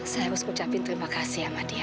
saya harus ucapin terima kasih sama dia